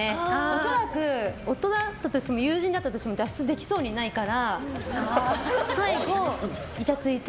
恐らく夫だったとしても友人だったとしても脱出できそうにないから最後、イチャついて。